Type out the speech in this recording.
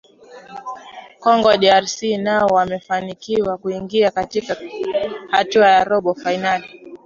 congo drc nao wamefanikiwa kuingia katika hatua ya robo fainali